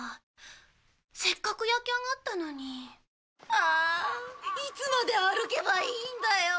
ああいつまで歩けばいいんだよ。